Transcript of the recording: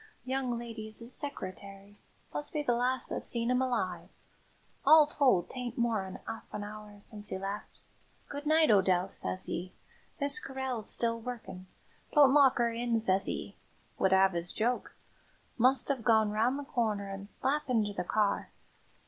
"Young lady's 'is seccereterry must be the last that seen 'im alive. All told, 'tain't more'n 'arf an 'our since 'e left. 'Good night, O'Dell,' sez 'e. 'Miss Carryll's still working don't lock 'er in,' sez 'e. Would 'ave 'is joke. Must 'ave gone round the corner an' slap inter the car.